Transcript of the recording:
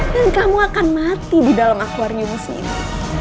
dan kamu akan mati di dalam akwarnium sini